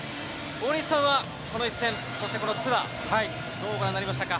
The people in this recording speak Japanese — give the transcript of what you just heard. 大西さんは、この一戦、ツアー、どうご覧になりましたか？